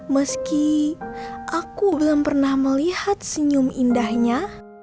meski aku belum pernah melihat senyum indahnya